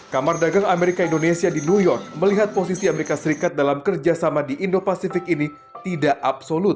kamar dagang amerika indonesia di new york melihat posisi amerika serikat dalam kerjasama di indo pasifik ini tidak absolut